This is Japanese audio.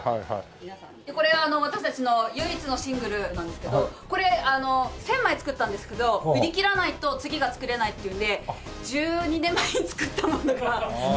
これ私たちの唯一のシングルなんですけどこれ１０００枚作ったんですけど売り切らないと次が作れないっていうんで１２年前に作ったものがまだあります。